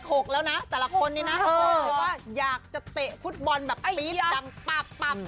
ศูนย์เล็ก๖เนี่ยจะอยากจะเตะฟุตบอลแบบปรีดดังป๊าปแบบ